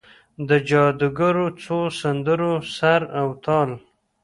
د جادوګرو څو سندرو سر او تال،